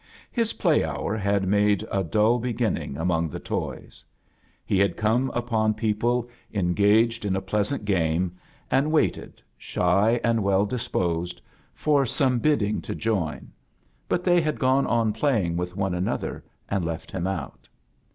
His play hour bad made a dull beginning among the toys. He had come upon people engaged m a A JOURNEY IN SEARCH OF CHRISTHAS pleasant game, and waited, shy and well disposed, for some bidding to join^ but they had gone on playing with one another and left him otrt.